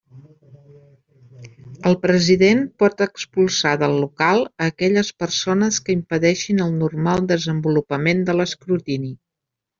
El president pot expulsar del local a aquelles persones que impedeixin el normal desenvolupament de l'escrutini.